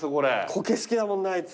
コケ好きだもんなあいつ。